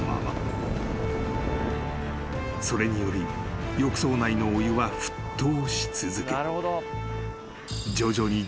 ［それにより浴槽内のお湯は沸騰し続け］